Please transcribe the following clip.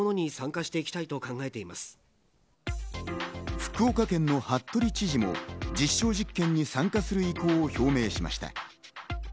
福岡県の服部知事も実証実験に参加する意向を表明しました。